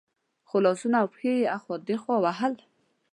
خو لاسونه او پښې مې اخوا دېخوا وهل.